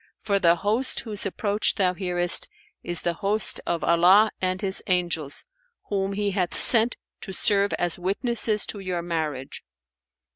for the host whose approach thou hearest is the host of Allah and His Angels, whom He hath sent to serve as witnesses to your marriage.